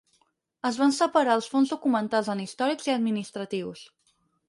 Es van separar els fons documentals en històrics i administratius.